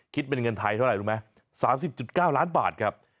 คิดเป็นเงินไทยเท่าไหร่รู้ไหม๓๐๙ล้านบาทครับ